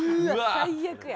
最悪や。